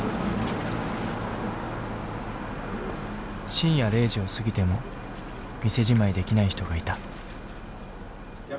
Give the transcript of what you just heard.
深夜０時を過ぎても店じまいできない人がいた。